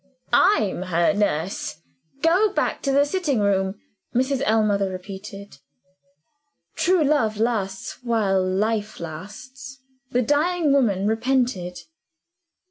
"I'm her nurse. Go back to the sitting room," Mrs. Ellmother repeated. True love lasts while life lasts. The dying woman relented.